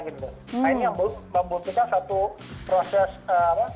ini membutuhkan satu proses